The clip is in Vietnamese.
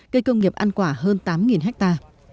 cây công nghiệp ăn quả hơn tám hecta